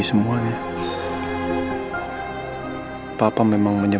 saya saya tentang keadaan kecelakaan